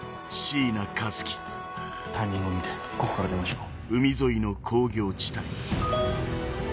タイミングを見てここから出ましょう。